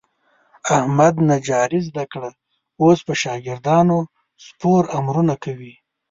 احمد نجاري زده کړه. اوس په شاګردانو سپور امرونه کوي.